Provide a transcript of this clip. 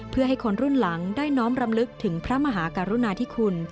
เพื่อให้คนรุ่นหลังได้น้อมรำลึกถึงพระมหากรุณาธิคุณ